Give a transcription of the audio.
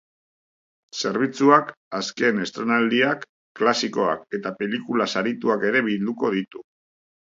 Zerbitzuak azken estreinaldiak, klasikoak eta pelikula sarituak ere bilduko ditu.